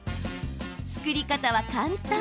作り方は簡単。